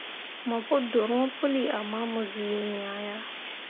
Mo pu dorõo puli ama mo zii iŋya yah.